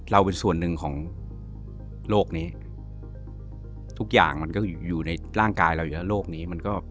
เราเป็นส่วนหนึ่งของโรคนี้ทุกอย่างมันก็อยู่ในร่างกายเราอยู่แล้วโรคนี้มันก็